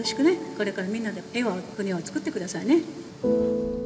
これからみんなで平和な国をつくってくださいね。